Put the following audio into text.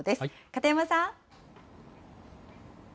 片山さん。